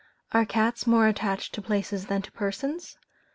Are cats more attached to places than to persons?